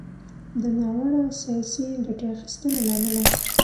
د ناوړه “سياسي ګټې اخيستنې” له امله